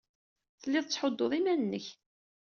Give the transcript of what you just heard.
Telliḍ tettḥudduḍ iman-nnek.